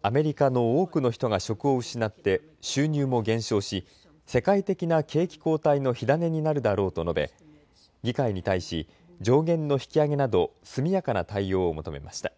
アメリカの多くの人が職を失って収入も減少し世界的な景気後退の火種になるだろうと述べ議会に対し上限の引き上げなど速やかな対応を求めました。